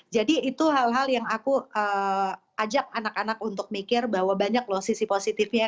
jadi itu hal hal yang aku ajak anak anak untuk mikir bahwa banyak loh sisi positifnya